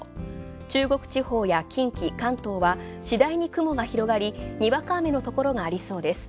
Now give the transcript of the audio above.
中国地方や近畿、関東はしだいに雲が広がり、にわか雨のところもありそうです。